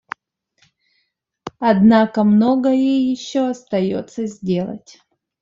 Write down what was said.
Однако многое еще остается сделать.